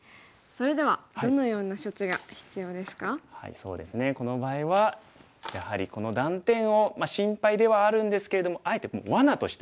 そうですねこの場合はやはりこの断点をまあ心配ではあるんですけれどもあえてもうわなとして。